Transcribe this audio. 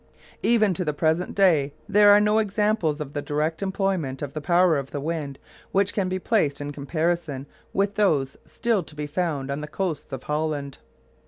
Even to the present day there are no examples of the direct employment of the power of the wind which can be placed in comparison with those still to be found on the coasts of Holland.